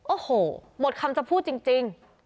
โอ้โหหมดคำจะพูดจริง